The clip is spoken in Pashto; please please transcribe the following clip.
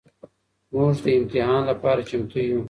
مونږ د امتحان لپاره چمتو يو.